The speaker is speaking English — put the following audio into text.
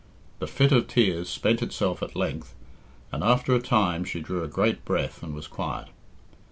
The fit of tears spent itself at length, and after a time she drew a great breath and was quiet.